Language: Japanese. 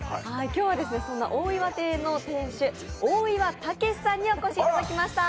今日は大岩亭の店主、大岩武さんにお越しいただきました。